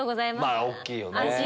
まぁ大っきいよね。